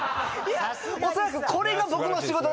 おそらくこれが僕の仕事です。